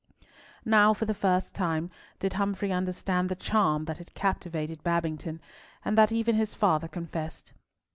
Now, for the first time, did Humfrey understand the charm that had captivated Babington, and that even his father confessed.